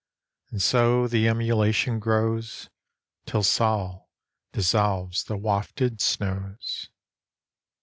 And so the emulation grows Till Sol dissolves the wafted snows.